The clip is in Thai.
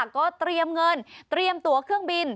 ก็เตรียมเงินเตรียมตัวเครื่องบิน